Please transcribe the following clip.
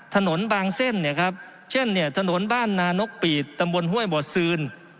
ถนนบางเส้นเนี่ยครับเช่นนี้ถนนบ้านนนปีเต๋ตฮบซืน